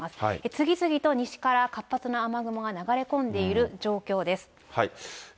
次々と西から活発な雨雲が流れ込んでいる状況です。